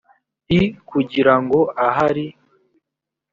l kugira ngo ahari